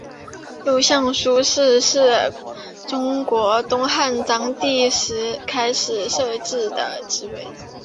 录尚书事是中国东汉章帝时开始设置的职位。